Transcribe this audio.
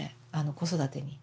子育てに。